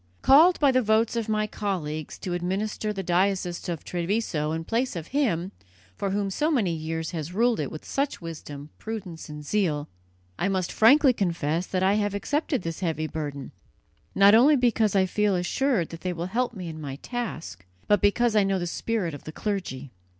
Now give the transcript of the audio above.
"Called by the votes of my colleagues to administer the diocese of Treviso in place of him who for so many years has ruled it with such wisdom, prudence and zeal, I must frankly confess that I have accepted this heavy burden, not only because I feel assured that they will help me in my task, but because I know the spirit of the clergy.